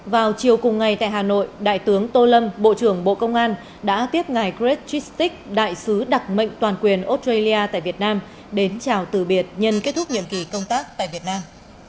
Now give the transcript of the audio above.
vào chiều cùng ngày tại hà nội đại tướng tô lâm bộ trưởng bộ công an đã tiếp ngài greg tristic đại sứ đặc mệnh toàn quyền australia tại việt nam đến chào từ biệt nhân kết thúc nhiệm kỳ công tác tại việt nam